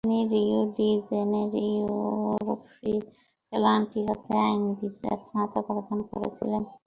তিনি রিও ডি জেনেরিও'র ফ্রি ফ্যাকাল্টি হতে আইনবিদ্যায় স্নাতক অর্জন করেছিলেন।